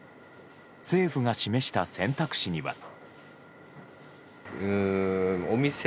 政府が示した選択肢には。